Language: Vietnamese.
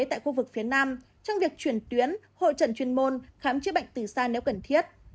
tại khu vực phía nam trong việc chuyển tuyến hội trận chuyên môn khám chữa bệnh từ xa nếu cần thiết